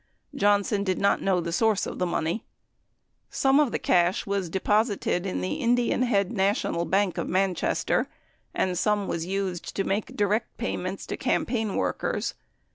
Johnson did not know the source of the money. Some of the cash w T as deposited in the Indian Head National Bank of Manchester, and some was used to make direct payments to campaign workers.